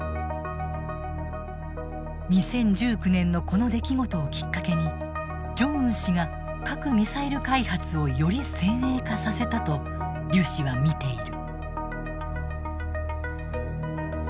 ２０１９年のこの出来事をきっかけにジョンウン氏が核・ミサイル開発をより先鋭化させたとリュ氏は見ている。